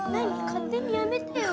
勝手にやめてよ！